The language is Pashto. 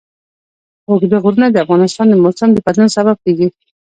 اوږده غرونه د افغانستان د موسم د بدلون سبب کېږي.